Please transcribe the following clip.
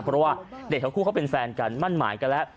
เพราะว่าเด็กทั้งคู่เขาเป็นแฟนกันมั่นหมายกันแล้ว